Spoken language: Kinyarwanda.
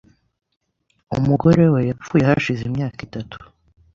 Umugore wa yapfuye hashize imyaka itatu.